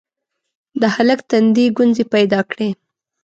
د هلک تندي ګونځې پيدا کړې: